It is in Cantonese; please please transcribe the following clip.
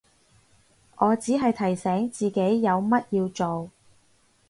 我只係提醒自己有乜要做